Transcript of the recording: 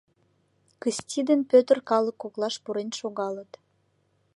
Кысти ден Пӧтыр калык коклаш пурен шогалыт.